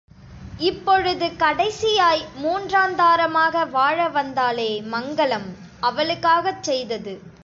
இப்பொழுது கடைசியாய் மூன்றாந்தாரமாக வாழவந்தாளே மங்களம், அவளுக்காகச் செய்தது.